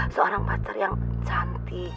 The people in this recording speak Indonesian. seorang pacar yang cantik